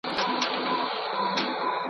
غلام جيلاني اعظمي